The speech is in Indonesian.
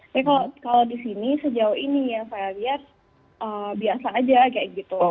tapi kalau di sini sejauh ini yang saya lihat biasa aja kayak gitu